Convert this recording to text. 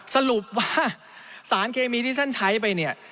สรุปว่าสารเคมีที่ท่านใช้ไปเนี่ย